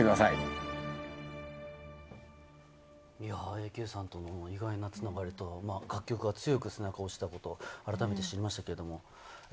ＡＫさんとの意外なつながり、楽曲が強く背中を押したことを改めて知りました。